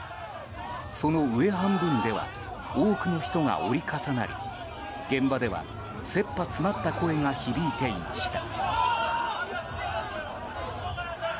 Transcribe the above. その上半分では多くの人が折り重なり現場では、切羽詰まった声が響いていました。